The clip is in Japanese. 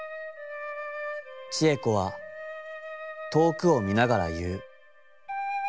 智恵子は遠くを見ながら言ふ。